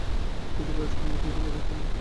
দুটো পেরাসিটামল খেয়েছি, লাভ হচ্ছে না।